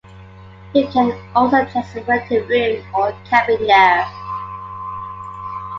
You can also just rent a room, or cabin there.